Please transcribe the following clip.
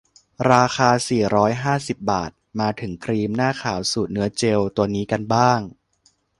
ราคา สี่ร้อยห้าสิบ บาท มาถึงครีมหน้าขาวสูตรเนื้อเจลตัวนี้กันบ้าง